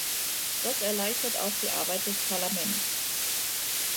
Das erleichtert auch die Arbeit des Parlaments.